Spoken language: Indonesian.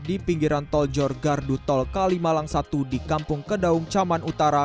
di pinggiran tol jor gardu tol kalimalang satu di kampung kedaung caman utara